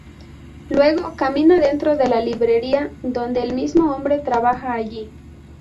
Luego, camina dentro de la librería dónde el mismo hombre trabaja allí.